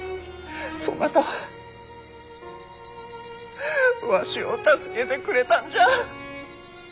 そなたはわしを助けてくれたんじゃ。